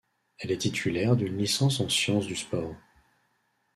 Elle est titulaire d'une licence en sciences du sport.